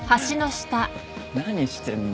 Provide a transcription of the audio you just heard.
何してんの？